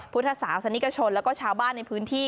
พุทธศาสนิกชนแล้วก็ชาวบ้านในพื้นที่